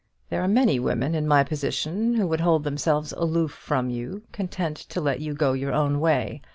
There are many women in my position who would hold themselves aloof from you, content to let you go your own way.